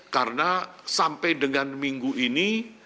karena sampai dengan minggu ini